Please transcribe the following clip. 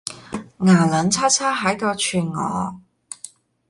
牙撚擦擦喺度串我